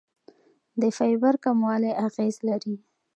د فایبر کموالی اغېز لري.